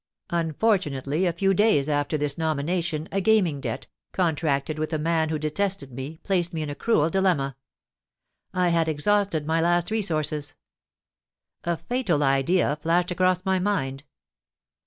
Unfortunately, a few days after this nomination, a gaming debt, contracted with a man who detested me, placed me in a cruel dilemma. I had exhausted my last resources. A fatal idea flashed across my mind.